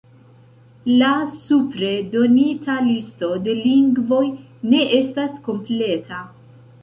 La supre donita listo de lingvoj ne estas kompleta.